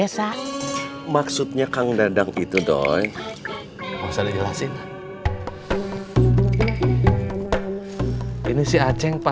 sampai jumpa di video selanjutnya